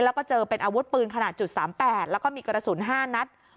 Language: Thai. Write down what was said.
แล้วก็เจอเป็นอาวุธปืนขนาด๓๘แล้วก็มีกระสุน๕นัด